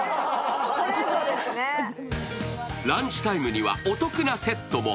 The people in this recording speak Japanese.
ランチタイムにはお得なセットも。